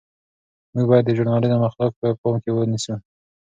موږ باید د ژورنالیزم اخلاق په پام کې ونیسو.